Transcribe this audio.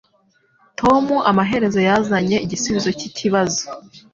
Tom amaherezo yazanye igisubizo cyikibazo.